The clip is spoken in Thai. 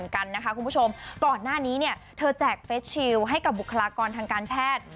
คุณผู้ชมก่อนหน้านี้เธอแจกเฟสชิลให้กับบุคลากรทางการแพทย์